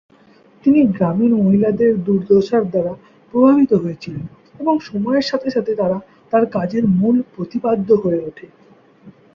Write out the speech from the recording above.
তিনি গ্রামীণ মহিলাদের দুর্দশার দ্বারা প্রভাবিত হয়েছিলেন এবং সময়ের সাথে সাথে তারা তার কাজের মূল প্রতিপাদ্য হয়ে ওঠে।